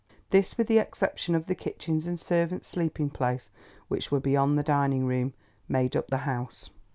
This, with the exception of the kitchens and servants' sleeping place, which were beyond the dining room, made up the house.